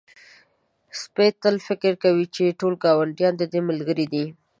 سپی تل فکر کوي چې ټول ګاونډیان د ده ملګري دي.